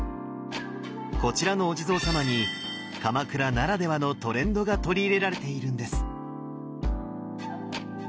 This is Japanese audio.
こちらのお地蔵様に鎌倉ならではのトレンドが取り入れられているんです。